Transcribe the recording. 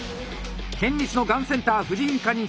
県立のがんセンター婦人科に所属。